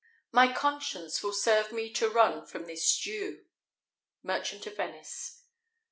My conscience will serve me to run from this Jew. Merchant of Venice.